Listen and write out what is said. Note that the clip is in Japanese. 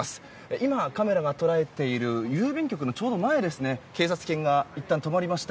今、カメラが捉えている郵便局のちょうど前で警察犬がいったん止まりました。